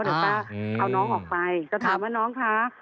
ป้าเอาน้องออกไปก็ถามว่าน้องคะ